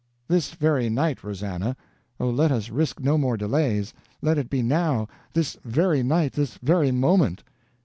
"This very night, Rosannah! Oh, let us risk no more delays. Let it be now! this very night, this very moment!"